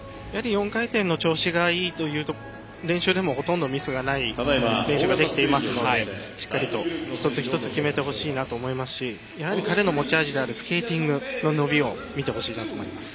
４回転の調子がよく練習でもほとんどミスがない練習ができていますのでしっかりと一つ一つ決めてほしいと思いますしやはり彼の持ち味であるスケーティングの伸びを見てほしいなと思います。